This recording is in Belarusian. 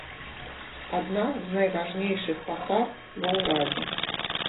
Адна з найважнейшых пасад ва ўрадзе.